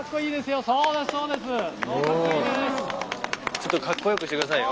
ちょっとカッコよくして下さいよ？